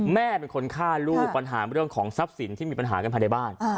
แม่เป็นคนฆ่าลูกปัญหาเรื่องของทรัพย์สินที่มีปัญหากันภายในบ้าน